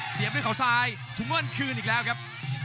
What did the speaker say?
เสียบด้วยเขาซ้ายถุงเงินคืนอีกแล้วครับ